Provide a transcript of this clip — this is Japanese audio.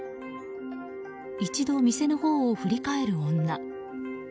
一度、店のほうを振り返る女。